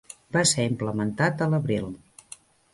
Va ser implementat a l'abril.